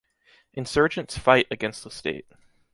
Insurgents fight against the state.